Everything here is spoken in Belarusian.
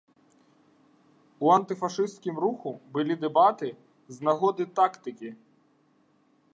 У антыфашысцкім руху былі дэбаты з нагоды тактыкі.